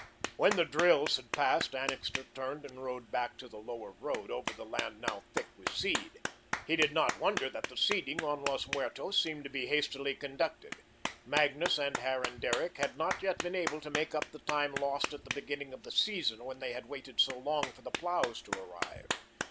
When the drills had passed, Annixter turned and rode back to the Lower Road, over the land now thick with seed. He did not wonder that the seeding on Los Muertos seemed to be hastily conducted. Magnus and Harran Derrick had not yet been able to make up the time lost at the beginning of the season, when they had waited so long for the ploughs to arrive.